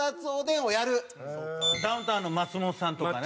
ダウンタウンの松本さんとかね。